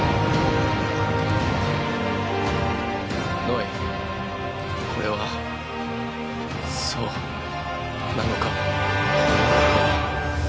ノイこれはそうなのか？